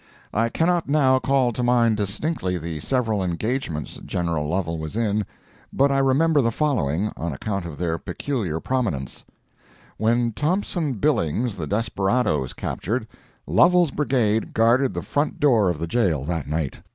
I cannot now call to mind distinctly the several engagements General Lovel was in, but I remember the following, on account of their peculiar prominence: When Thompson Billings the desperado was captured, Lovel's brigade guarded the front door of the jail that night.